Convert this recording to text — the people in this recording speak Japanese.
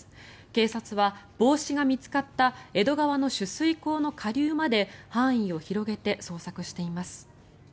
警察は、帽子が見つかった江戸川の取水口の下流まで範囲を広げて捜索しています。